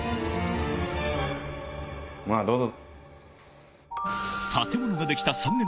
まぁどうぞ。